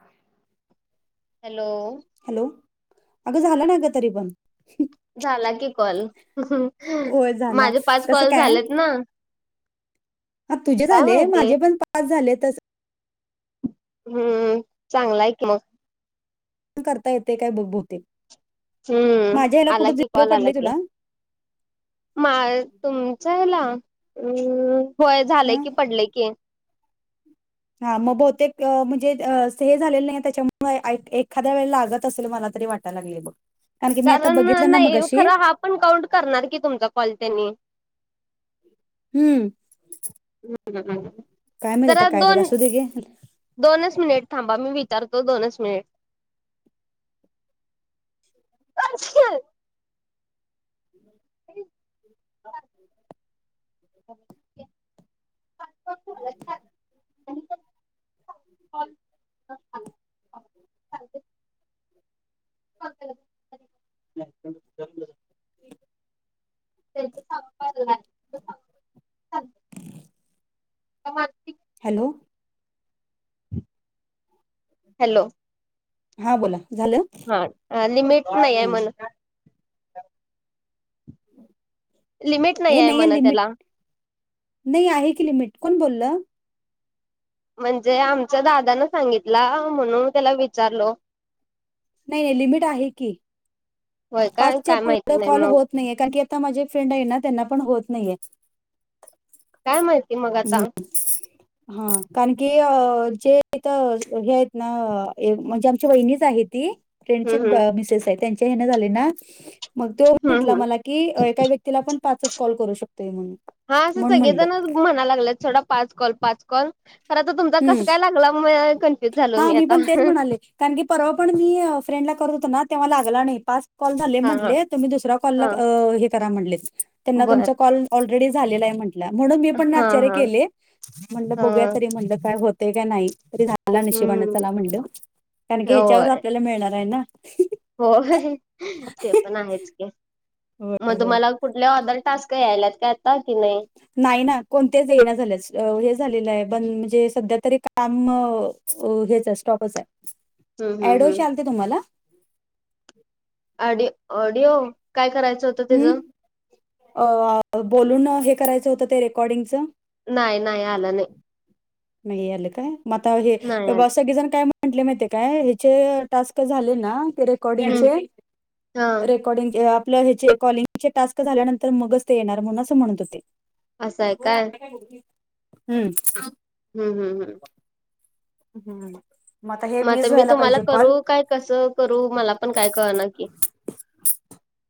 हाय. Hello. Hello! अगं झालं ना ग तरी पण झाला की कॉल, होय झाला माझे पाच कसं कॉल काय झालेत ना. तुझे काय झाले, माहिती माझे पण पाच झाले तस. हम्म. चांगलाय कि मग. करता येते काय बघ बहुतेक हम्म! माझ्या ह्याला आला कुठं की, झिरो कॉल आला पडले की. तुला तुमच्या ह्याला, होय झालंय हा की पडलंय की हा मग बहुतेक म्हणजे हे झालेलं नाही, त्याच्यामुळे एखाद्या वेळे लागत असेल मला तरी वाटत. आता लागले बघ. की मी आता कारण बघितलं ना मग नाही, अशी खरं हा पण काउंट करणार की तुमचा कॉल त्यांनी. हम्म. हम्म-हम्म-हम्म. काय माहित आता काय झारी असू दे गे. दोनच मिनिट थांबा मी विचारतो दोनच मिनिट [unintelligible] [inaudible] [inaudible] [inaudible] [unintelligible] [unintelligible] [unintelligible] [inaudible] त्यांच संग [unintelligible] हॅलो. हॅलो. हा बोला झालं? होय लिमिट नाही आहे हा म्हण लिमिट हे आहे नाही म्हण लिमिट त्याला नाही आहे की लिमिट कोण बोललं? म्हणजे आमच्या दादा न सांगितला म्हणून त्याला विचारलो नाही-नाही लिमिट आहे की. होय काय पाचच्या काय पुढ माहिती नाही कॉल मग होत नाहीये कारण की आता माझे फ्रेंड आहे ना त्यांना पण होत नाहीये. काय माहिती मग आता? [unintelligible] हा कारण की जेथ हे आहेत हे आहेतना म्हणजे आमची वहिनीच आहे ती फ्रेंडची हम् हम् मिसेस आहे त्यांच्या हने झाले ना मग तो हम् म्हटला हम् मला की एका व्यक तिला पण पाच कॉल करू शकतोय मग मी हा असं सगळेजणच म्हणायला लागलेत थोडा पाच कॉल पाच कॉल खरं तर तुमचा हम्म कसं काय लागला म कन्फ्युज झालो हा मी पण आता? तेच म्हणाले कारण की परवा पण मी फ्रेंड ला करत होतो ना तेव्हा लागला नाही पाच कॉल झाले हा हा म्हटले तुम्ही दुसऱ्या कॉलला हा अ हे करा म्हटले त्यांना बर तुमचा कॉल ऑलरेडी झालेला आहे म्हटल म्हणून मी पण हा आश्चार्य हा केले म्हणलं बघूया हा तरी म्हणलं काय होते का नाही तरी मला नशिबाान हम्म चला म्हणलं कारण की ह्याच्यावर होय आपल्याला मिळणार आहे ना होय ते पण आहेच की होय मग होय तुम्हाला कुठल्या ऑर्दर टास्क यायलात काय आता कि नाही नाही ना कोणतच येना झाले हे झालेलं आहे बंद म्हणजे सध्या तरी काम अ हेच आहे स्टॉपच हम्म आहे हम्म एडोश हम्म. आलते तुम्हाला? ऑडि ऑडिओ काय करायचं? होतं त्याचं? हम्म अ बोलून हे करायचं होतं ते रेकॉर्डिंगचं नाही-नाही आला नाही. नाही आलय काय म आता हे नाही आलं सगळे जण काय म्ह म्हटले माहिती काय त्याचे टास्क झाले ना ते हम्म रेकॉर्डिंगचे हा रेकॉर्डिंग ग आपले ह्याचे कॉलिंगचे टास्क झाल्यानंतर मगच ते येणार म्हणून अस म्हणत होते. असं आहे काय? हम्म हम्म-हम्म-हम्म हम्म मग हे म आता वीस मी व्हायला तुम्हाला पाहिजे करू कॉल काय कसं करू मला पण काय कळना की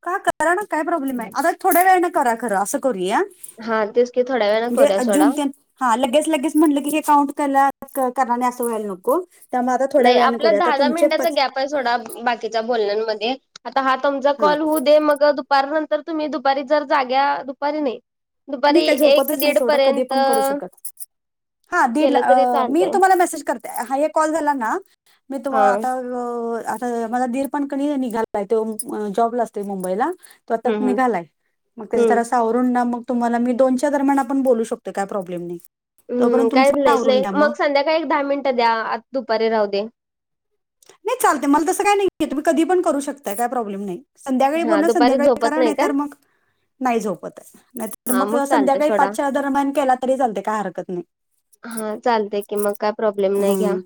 का करा ना काय प्रॉब्लेम आहे आता थोड्या वेळ ना करा खरं असं करूया आ. हा तेच की थोड्या वेळा करूया सोडा. ते हा लगेच-लगेच म्हटलं की हे काउंट त्याला कारण अस व्हायला नको त्यामुळे आता थोड्या वेळ करूया आता तुमचे पाच आता सोडा बाकीच बोलण्यांमध्ये आता हा कॉल होऊ दे मग दुपार नंतर तुम्ही दुपारी जर जाग्या दुपारी नाही. मी दुपारी काय एक झोपतच नाही दीड सोडा कधी पर्यंत पण करू शकत हा दीड ला केलं तरी अ मी चालतंय तुम्हाला मेसेज करते हे कॉल झाला ना मी तुम्हाला हा. आता अ आता माझा दीर पण की निघाला त्यो जॉबला असते मुंबईला तो आताच हम्म हम्म निघालाय मग त्याच्या त्याला हम्म. सावरुण ना मग तुम्हाला मी दोनच्या दरम्यान आपण बोलू शकतो काय प्रॉब्लेम नाही. हम् तोपर्यंत तुमचं काहीच पण नाहीच आवरून नाही घ्या मग संध्याकाळी एक दहा मिनिटं द्या आ दुपारी राहू दे. नाही चालतय मला तस काही नाहीय तुम्ही कधी पण करू शकताय काय प्रॉब्लेम नाही. संध्याकाळी हा बोलण दुपारी संध्याकाळी झोपत करा नाही तर काय मग नाही झोपत नाही तर हा मग चालते संध्याकाळी सोडा. पाचच्या दरम्यान केला तरी चालतंय काय हरकत नाही. हा चालतय की मग काय प्रॉब्लेम नाही घ्या हम्म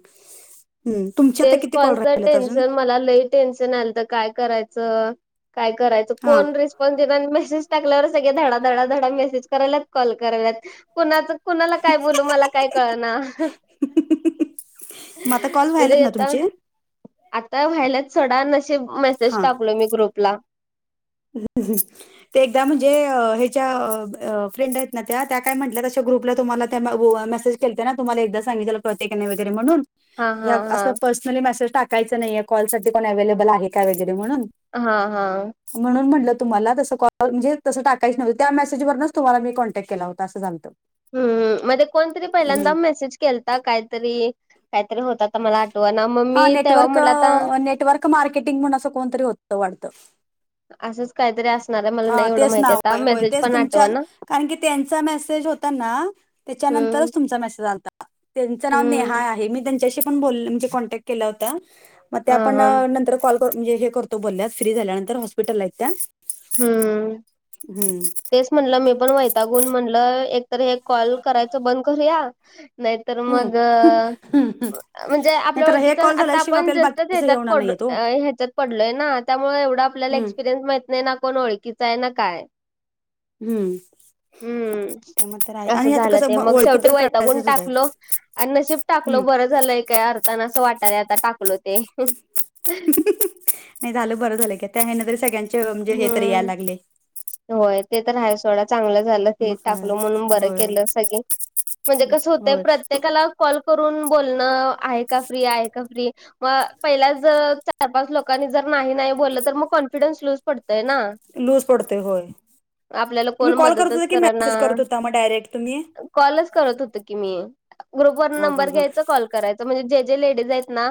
हम्म तुमच्या आता तेच किती कॉल कालच राहिलेत अजून टेन्शन मला लई टेन्शन आलत काय करायचं काय करायचं? त हा फोन ड्रेस. कोण जे मेसेज टाकल्यावर सगळे धडा धडा धडा मेसेज करायलात कॉल कराल्यात कुणाच. कुणाला काय बोलू मला काय कळणा. मग आता कॉल व्हायलात म्हणजे ना आता तुमचे. आता व्हायलत सोडा नशीब मेसेज टाकलोय मी ग्रुपला. अ हं अ हं. ते एकदा म्हणजे ह्याच्या अ अ फ्रेंड आहेत ना त्या त्या काय म्हटल्या तशा ग्रुपला तुम्हाला त्या गु वा मेसेज. ते तुम्हाला एकदा सांगितलेल कळतय का नाही वगैर म्हणून. हा हा यात हा असं पर्सनली मेसेज टाकायच नाहीय कॉल साठी कोण अव्हेलेबल आहे का वगैरे म्हणून. हा हा. म्हणून म्हटलं तुम्हाला तस कॉल म्हणजे तसं टाकायच नव्हतं त्या मेसेजवरनच तुम्हाला मी कॉन्टॅक्ट केला होता असं झालतं. ह् म्हणजे कोणतरी पहिल्यांदा मेसेज केलता काहीतरी काहीतरी होता. आता मला आठव ना ममी तेव्हा म्हटलं आता. का मार्केटिंग असं कोणतरी होतं वाटतं. असंच काहीतरी असणार आहे मला हा नाही एवढं तेच ना माहिती आता होय होय मेसेज तेच पण तुमच्या आठवना कारण की त्यांचा मेसेज. ना त्याच्या हम्म नंतरच तुमचा मेसेज आलता त्यांच नाव नेहा हम्म आहे मी त्यांच्याशी. मी पण बोलले म्हणजे कॉन्टॅक्ट केला होता मग ते हा आपण हा नंतर कॉल. म्हणजे हे करतो बोलल्या फ्री झाल्यानंतर हॉस्पिटलला आहेत त्या हम्म हम्म. तेच म्हणलं मी पण वैतागुण म्हणलं एकतर हे कॉल करायच बंद करूया. नाहीतर हम्म मग. हम्म हम्म ब म्हणजे आपल्या नाहीतर हे ओळखीच कॉल आता झाल्याशिवाय आपण आपल्याला जास्तच बाकीच हे ह्याच्यात होणार पडू नाहीये तो अ ह्याच्यात. पडलोय ना त्यामुळे एवढं आपल्याला हम्म एक्सपिरियन्स माहित नाही ना कोण ओळखीचा आहे ना काय. हम्म. हम्म त्यामुळे तर आहे असं आणि आता झालं ते कसं मग ओळखी शेवटी तर वैतागून काढायचंच टाकलो आहेत आणि नशीब टाकलो हम्म बरं झालंय काय अर्थ. ताना अस वाटाले आता टाकलो ते. नाही झालं बरं झालंय की त्या ह्यान तरी सगळ्यांचे म्हणजे हे तरी यायला हम्म. लागले. होय ते तर हाय सोडा. चांगलं झालं ते मग काय टाकलं म्हणून बर होय केलं सगळी म्हणजे कसं होतंय होय तू प्रत्येकाला. कॉल करून बोलणं आहे का फ्री आहे का फ्री. मग पहिल्याच जर चार पाच लोकांनी जर नाही नाही बोललं तर मग कॉन्फिडन्स लूज पडतय ना. लूज पडतय होय आपल्याला तुम्ही कोण कॉल करत मदतच होता की मेसेज करना करत होता मग डायरेक्ट तुम्ही. कॉलच करत होत की मी ग्रुप वर हा हा नंबर हां घ्यायच कॉल करायच. म्हणजे जे जे लेडीज आहेत ना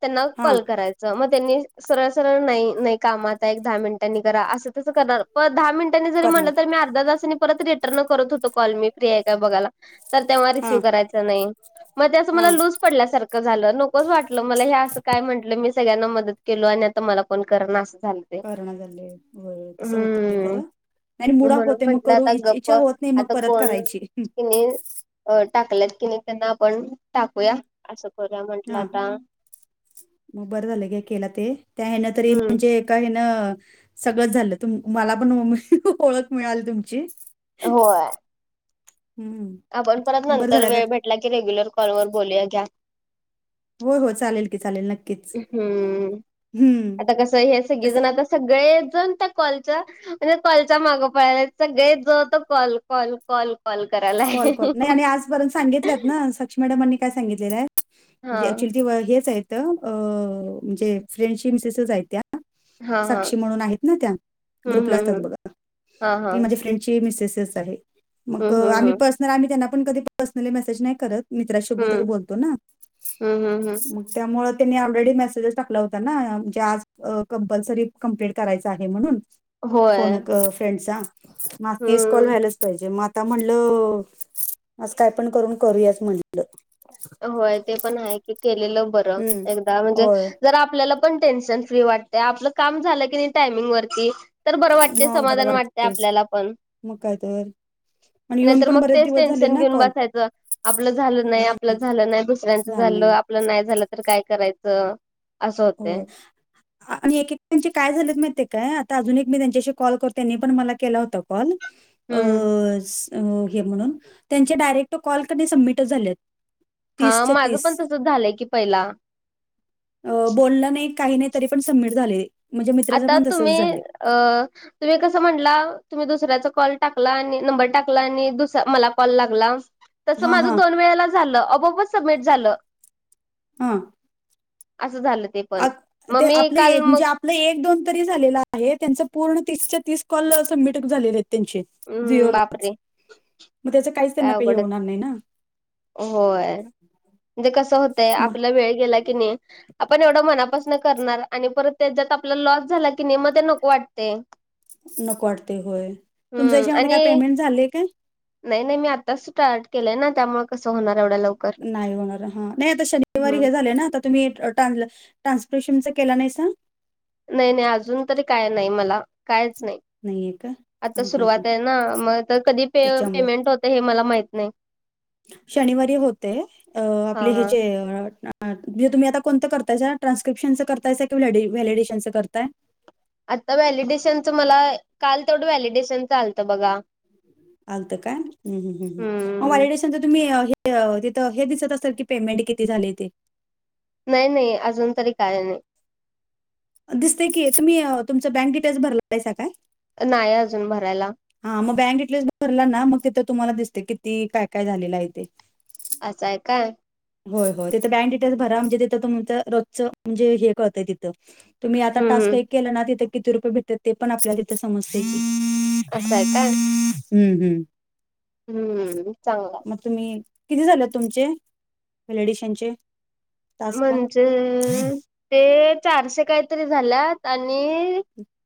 त्यांना हां कॉल कराच. मग त्यांनी सरळ सरळ नाही नाही कामात आहे एक दहा मिनिटांनी करा असं तस करणार. प दहा मिनटांनी जरी करणार म्हणलं तर मी अर्धा तासांनी परत रिटर्न करत होतो कॉल मी फ्री आहे का बघायला. तर तेव्हा हां रिसीव्ह करायच नाही मग ते असं मला हां लूस. पडल्यासारखं झालं नकोच वाटलं मला हे असं काय म्हटलं मी सगळ्यांना मदत केलो आणि आता मला कोण. कोण करना असं झालं. ते. करणं झालंय तसं होतंय ना हम्म. खरं. आणि मुडाफ म्हणून होते मग म्हंटलं करू आता गप्प इच्छा होत नाही मग आता परत कोण करायची. कि नाही अ टाकल्यात की नाही त्यांना आपण टाकूया असं करूया म्हंटलं आता. बर झालं हे केला ते त्या ह्यान तरी हम्म म्हणजे एका ह्यान. सगळं झालं तू मला पण हम ओळख मिळाली तुमची. होय. हम्म. आपण परत बरं नंतर झालं वेळ भेटला की रेग्युलर कॉल वर बोलूया घ्या. हो हो चालेल की चालेल नक्की. हम्म आता कस हे सगळे जण तसं आता सगळेजण त्या कॉलच. म्हणजे कॉलच्या मागो पळायला सगळे जो तो होत कॉल कॉल कॉल. करायला कॉल आहे कॉल नाही आणि आजपर्यंत सांगितल्यात ना सग लक्ष् मॅडमनी काय सांगितलेलं आहे हा ऍक्च्युली हेच आहेत. अ म्हणजे फ्रेंडश मिसेसेस आहेत त्या हा हा साक्षी म्हणून आहेत ना त्या हम्म ग्रुपला हम्म असतात हम्म बघ हा त हा माझे फ्रेंड. आ प हम्म हम्म प कत. मित्रासोबतच हम्म बोलतो ना हम्म हम्म हम्म मग त्यामुळे त्यांनी ऑलरेडी मेसेजेस टाकला होता नाजे आज कंपल्सरी कंप्लीट करायच आहे म्हणून होय फोन फ्रेंडचा म हेच कॉल हम्म व्हायलाच पाहिजे म आता म्हणलं. आ काय पण करून करूयाच म्हटलं. होय ते पण आहे की केेलेलं बरं हम्म. एकदा म्हणजे होय जर आपल्याला पण टेन्शन फ्री वाटते आपलं काम झालं की नाही टायमिंग वर तर बरं वाटते मग बरं समाधान वाटते आपल्याला पण मग काय तर आणि येऊन नाहीतर पण मग बरेच तेच दिवस झाले टेन्शन ना घेऊन कॉल बसायचं आपलं झालं नाही. आपलं झालं नाही दुसऱ्यांच झाला झालं नाही आपलं नाही झालं तर काय करायचं. असं हो. होतय आणि एककचे काय झालेत माहि काय आता अजून एक मी त्यांच्याशी कॉल कर त्यांनी पण मला केला होता कॉल अ हम्म हे म्हणून त्यांचे डायरेक्ट कॉल कर सबमिट झालेत. हा तीसच्या मागं तीस पण तसं झालंय की पहिला बोललं नाही काही नाही तरी पण सबमिट झाले म्हणजे मित्राच आता पण तसच तुम्ही झाले. अ. तुम्ही कसं म्हटला तुम्ही दुसऱ्याचा कॉल टाकला आणि नंबर टाकला आणि दुस मला कॉल लागला. तस हा माझं हा दोन वेळेला झालं अबोबच सबमिट झालं. हा. असं झालं ते पण आत मग ते मी आपले काल एक म्हणजे मग आपलं एक दोन तरी झालेला आहे त्यांच पूर्ण तीसच्या तीस कॉल सबमिट झालेले आहेत त्यांचे हम्म झिओला बाप रे. मग त्याच काहीच त्यांना प हे होणार नाही ना. होय म्हणजे कस होतंय मग आपला वेळ गेला की नाही. आपण एवढं मनापासन करणार आणि परत त्याच्यात आपला लॉस झाला की नेम ते नको वाटते. नको वाटते होय तुमच हम्म याच्यामध्ये काय आणि पेमेंट झालंय का? नाही नाही मी आताच स्टार्ट केलंय ना त्यामुळे कसं होणार एवढा लवकर. नाही होणार हा नाही आता शनिवारी हम्म. हे झाले ना आता तुम्ही ट्रान्सपोर्टेशनचा केला नाही. नाही नाही अजून तरी काय नाही मला कायच नाही. नाहीे का? आता हां हां हां सुरुवात आहे ना मग तर कधी पे त्याच्यामुळं पेमेंट होतं हे मला माहत नाही. शनिवारी होते हा आपले हे हा. जे ह म्हणजेुम्हीताणतं करताय टानस्क्रिप्शनचताय कि व्हलिडेशनचं करताय. आता व्हॅलिडेशनचं मला काल तेवढं व्हॅलिडेशन चालतं बघा. आलत काय हम्म हम् हम्म. वलिडेसनंतर तुम्ही तिथं हे दिसत असाल की पेमेंट किती झाले ते नाही नाही अजून तरी काय नाही. दिसतेय की तुम्ही तुमचं बँक डिटेल्स भरला पायसा काय? नाही अजून भरायला. हा मग बँक इथलेट भरला ना मग तिथ तुम्हाला दिसते किती काय काय झालेलं आहेथे. असं आहे काय? होय होय ते बँक डिटेल्स भरा म्हणजे तथं तुमचं रोजचं म्हणे हे करतंयथ तुम्ही आता हम्म टास्क हम्म केला ना तिथे किती रुपये भेट ते पण आपल्या सम असं आहे काय हम्म हम्म. हम्म चांग. तुम्ही किती झाल तुमचे? फ्लेडिशनचे म्हणजे ते चारशे काहीतरी झाल्यात त्यांनी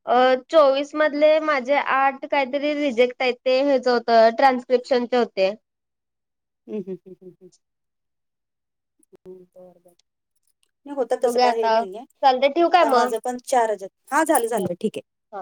अ चोवीस मधले माझे आठ काहीतरी रिजेक्ट आहेत ते हेचं होत ट्रान्स्क्रिप्शनट होते. हुं, हुं, हुं, हुं. बरं बरं नाही होत तस बघूया काय हे आता नाहीये चालतंय ठेवू काय आता माझ मग? पण चार हजार हा झालं झालं ठीक हे. हा.